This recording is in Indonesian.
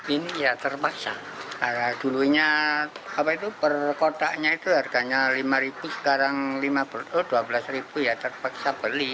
ini ya terpaksa dulunya apa itu per kotaknya itu harganya rp lima sekarang rp dua belas ya terpaksa beli